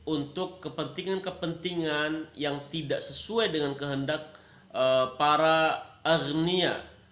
untuk kepentingan kepentingan yang tidak sesuai dengan kehendak para arnia